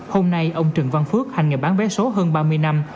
hôm nay ông trần văn phước hành nghề bán vé số hơn ba mươi năm